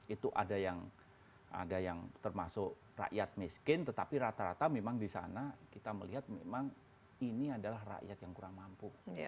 itu ada yang termasuk rakyat miskin tetapi rata rata memang di sana kita melihat memang ini adalah rakyat yang kurang mampu